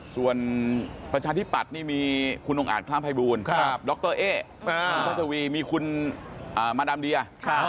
ส่วนประชาธิบัตรนี่มีคุณองค์อ่านคล้ามไพบูนดรเอ๊มีคุณมาดามเดีย